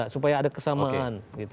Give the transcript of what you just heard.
supaya ada kesamaan